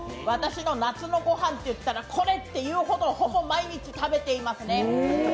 私の夏のご飯っていったらこれっていうほどほぼ毎日食べていますね。